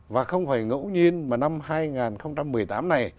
và không phải ngẫu nhiên mà năm hai nghìn một mươi tám này